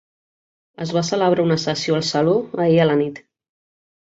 Es va celebrar una sessió al saló ahir a la nit.